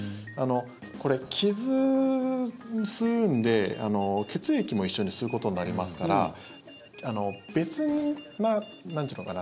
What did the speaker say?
これ、傷を吸うので血液も一緒に吸うことになりますから別ななんていうのかな。